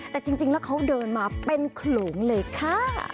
แต่จริงแล้วเขาเดินมาเป็นโขลงเลยค่ะ